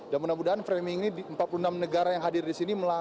dan mudah mudahan framing ini di empat puluh enam negara yang hadir di sini